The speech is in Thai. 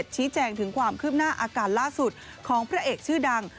ชี้แจงถึงความคืบหน้าอาการล่าสุดของพระเอกชื่อดัง